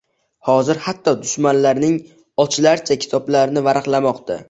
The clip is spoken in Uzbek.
Hozir xatto dushmanlaring ochlarcha kitoblarni varaqlamoqda